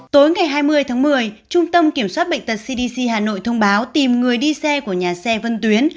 tối ngày hai mươi tháng một mươi trung tâm kiểm soát bệnh tật cdc hà nội thông báo tìm người đi xe của nhà xe vân tuyến